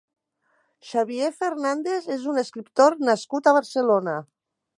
Xavier Fernández és un escriptor nascut a Barcelona.